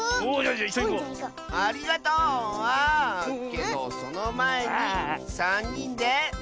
けどそのまえにさんにんでせの。